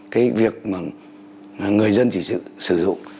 được người dân chỉ sử dụng